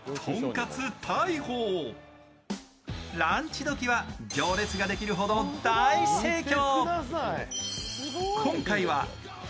ランチ時は行列ができるほど大盛況。